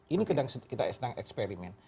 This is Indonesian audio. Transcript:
ini kita sedang eksperimen